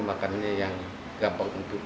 makannya yang gampang untuk